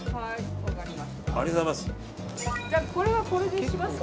じゃあ、これはこれにしますか。